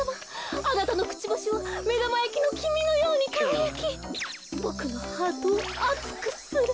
あなたのクチバシはめだまやきのきみのようにかがやきボクのハートをあつくする。